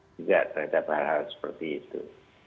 juga terhadap hal hal seperti itu